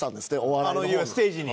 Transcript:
あのステージに？